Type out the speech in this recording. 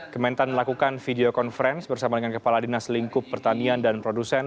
kementan melakukan video conference bersama dengan kepala dinas lingkup pertanian dan produsen